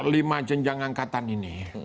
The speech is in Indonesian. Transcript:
lima jenjang angkatan ini